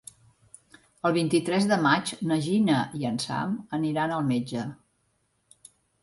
El vint-i-tres de maig na Gina i en Sam aniran al metge.